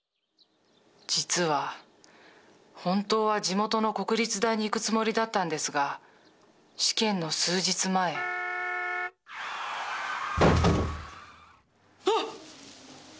実は本当は地元の国立大に行くつもりだったんですが試験の数日前あっ！